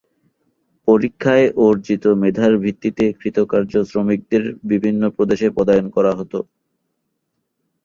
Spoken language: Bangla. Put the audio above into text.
পরীক্ষায় অর্জিত মেধার ভিত্তিতে কৃতকার্য শিক্ষানবিসদের বিভিন্ন প্রদেশে পদায়ন করা হতো।